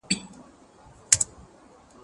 زه هره ورځ ځواب ليکم؟